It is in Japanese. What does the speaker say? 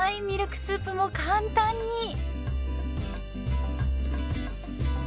ミルクスープも簡単に。